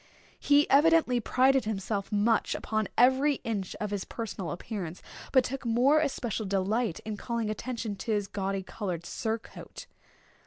He evidently prided himself much upon every inch of his personal appearance, but took more especial delight in calling attention to his gaudy colored surtout.